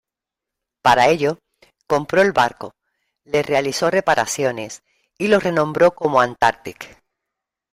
Para ello, compró el barco, le realizó reparaciones y lo renombró como "Antarctic".